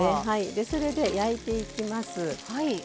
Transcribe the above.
それで焼いていきます。